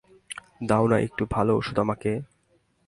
দাও না একটু ভালো ওষুধ আমাকে?